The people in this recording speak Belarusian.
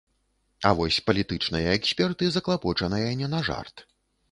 А вось палітычныя эксперты заклапочаныя не на жарт.